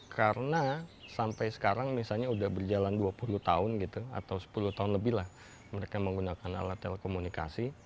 karena sampai sekarang misalnya udah berjalan dua puluh tahun gitu atau sepuluh tahun lebih lah mereka menggunakan alat telekomunikasi